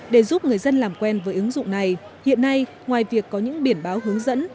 để giúp người dân làm quen với ứng dụng này hiện nay ngoài việc có những biển báo hướng dẫn